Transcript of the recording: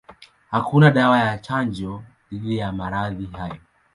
Hakuna dawa ya chanjo dhidi ya maradhi hayo.